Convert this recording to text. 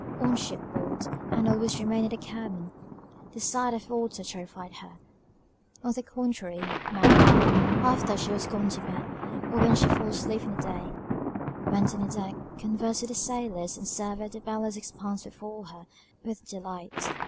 On ship board Ann always remained in the cabin; the sight of the water terrified her: on the contrary, Mary, after she was gone to bed, or when she fell asleep in the day, went on deck, conversed with the sailors, and surveyed the boundless expanse before her with delight.